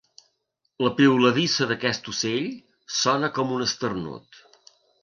La piuladissa d'aquest ocell sona com un esternut.